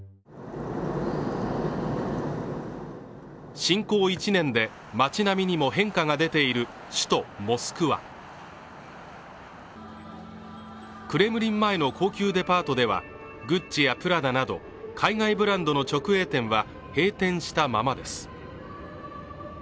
侵攻１年で街並みにも変化が出ている首都モスクワクレムリン前の高級デパートではグッチやプラダなど海外ブランドの直営店は閉店したままです